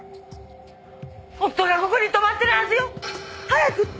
夫がここに泊まってるはずよ！早く連れてきて！